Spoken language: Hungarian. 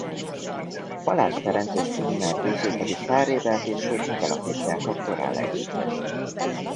Balázs Ferenc és Brunner Győző pedig pár évvel később megalapítják a Korál együttest.